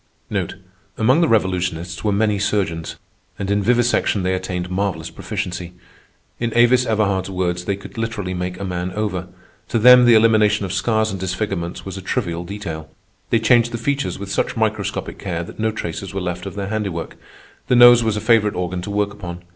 Among the Revolutionists were many surgeons, and in vivisection they attained marvellous proficiency. In Avis Everhard's words, they could literally make a man over. To them the elimination of scars and disfigurements was a trivial detail. They changed the features with such microscopic care that no traces were left of their handiwork. The nose was a favorite organ to work upon.